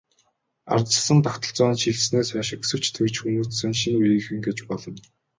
Ардчилсан тогтолцоонд шилжсэнээс хойш өсөж, төрж хүмүүжсэн шинэ үеийнхэн гэж болно.